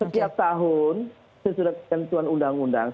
setiap tahun sesudah ketentuan undang undang